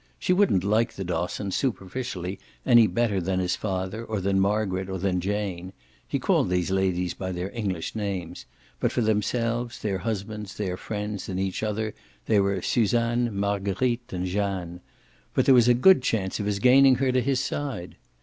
She wouldn't like the Dossons superficially any better than his father or than Margaret or than Jane he called these ladies by their English names, but for themselves, their husbands, their friends and each other they were Suzanne, Marguerite and Jeanne; but there was a good chance of his gaining her to his side.